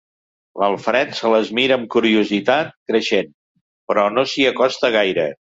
L'Alfred se les mira amb curiositat creixent, però no s'hi acosta gaire.